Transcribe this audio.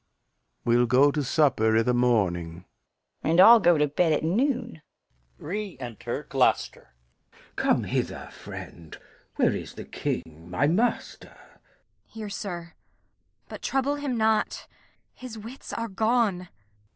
We'll go to supper i' th' morning. So, so, so. Fool. And I'll go to bed at noon. Enter Gloucester. Glou. Come hither, friend. Where is the King my master? Kent. Here, sir; but trouble him not; his wits are gone.